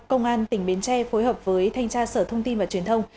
công an tỉnh bến tre phối hợp với thanh tra sở thông tin và truyền thông